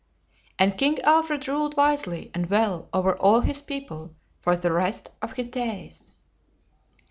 And King Alfred ruled wisely and well over all his people for the rest of his days.